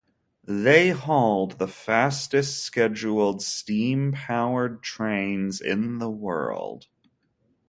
They hauled the fastest scheduled steam-powered trains in the world.